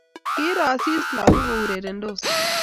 Kiiro Asisi lagok kourerendos